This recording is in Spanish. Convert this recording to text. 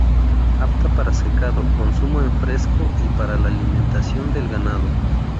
Apta para secado, consumo en fresco y para la alimentación del ganado.